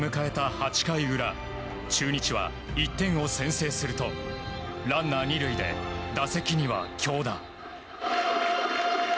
８回裏中日は１点を先制するとランナー２塁で打席には京田。